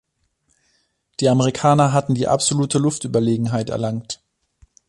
Die Amerikaner hatten die absolute Luftüberlegenheit erlangt.